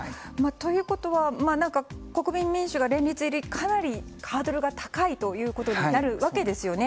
ということは国民民主が連立入りというのはかなりハードルが高いということになるわけですよね。